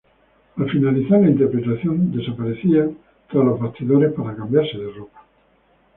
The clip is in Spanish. Al finalizar la interpretación, desaparecía tras los bastidores para cambiarse de ropa.